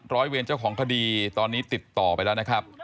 ร้อยเวรเจ้าของคดีตอนนี้ติดต่อไปแล้วนะครับ